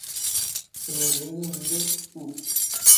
En el Reino Unido, "Up!